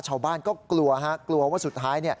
ชาวบ้านก็กลัวฮะกลัวว่าสุดท้าย